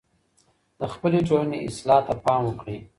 د خپلې ټولني اصلاح ته پام وکړئ.